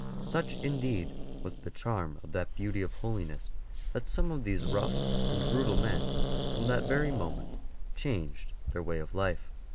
Such, indeed, was the charm of that beauty of holiness, that some of these rough and brutal men from that very moment changed their way of life.